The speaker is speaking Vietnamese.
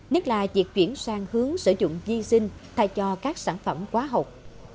nhất là việc chuyển sang hướng sử dụng di sinh thay cho các sản phẩm quá học